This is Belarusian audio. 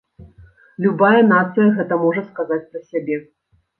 Любая нацыя гэта можа сказаць пра сябе.